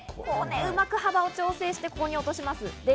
うまく調整して、ここに落とします。